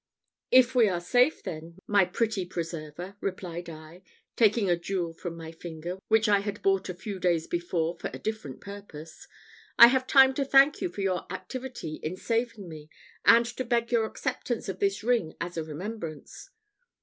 "If we are safe then, my pretty preserver," replied I, taking a jewel from my finger, which I had bought a few days before for a different purpose, "I have time to thank you for your activity in saving me, and to beg your acceptance of this ring as a remembrance."